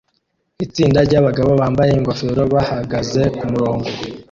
Itsinda ryabagabo bambaye ingofero bahagaze kumurongo